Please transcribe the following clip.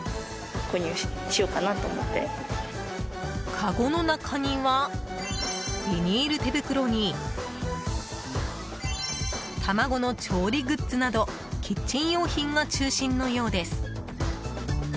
かごの中には、ビニール手袋に卵の調理グッズなどキッチン用品が中心のようです。